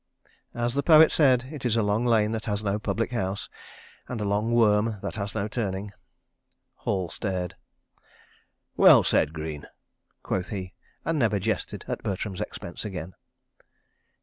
..." As the poet says, it is a long lane that has no public house, and a long worm that has no turning. Hall stared. "Well said, Greene," quoth he, and never jested at Bertram's expense again.